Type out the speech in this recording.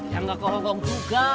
ya gak ke hongkong juga